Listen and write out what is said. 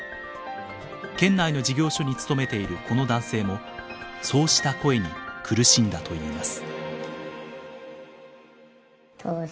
県内の事業所に勤めているこの男性もそうした声に苦しんだといいます。